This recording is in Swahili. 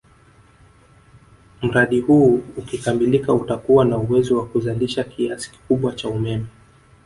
Mradi huu ukikamilika utakuwa na uwezo wa kuzalisha kiasi kikubwa cha umeme